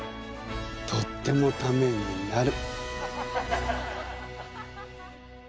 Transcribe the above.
とってもタメになる。